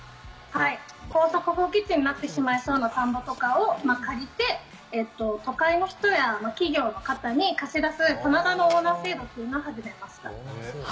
・耕作放棄地になってしまいそうな田んぼとかを借りて都会の人や企業の方に貸し出す棚田のオーナー制度っていうのを始めました。